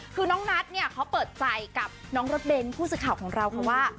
คือน้องนัทเนี่ยเขาเปิดใจกับน้องรถเบนท์ผู้สื่อข่าวของเราค่ะว่า